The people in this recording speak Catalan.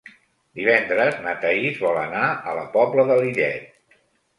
Divendres na Thaís vol anar a la Pobla de Lillet.